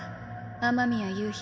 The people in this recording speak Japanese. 雨宮夕日。